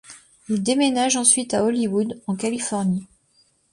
Ils déménagent ensuite à Hollywood, en Californie.